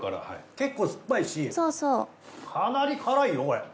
結構酸っぱいしかなり辛いよこれ。